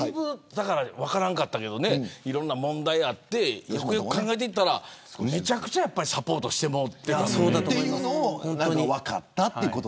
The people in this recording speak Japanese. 分からなかったけどいろんな問題があってよく考えたらめちゃくちゃサポートしてもらってる。ということが分かった。